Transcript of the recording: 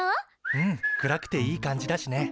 うん暗くていい感じだしね。